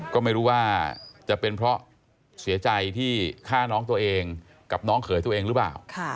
ก็ไม่รู้ว่าจะเป็นเพราะเสียใจที่ฆ่าน้องตัวเองกับน้องเขยตัวเองหรือเปล่า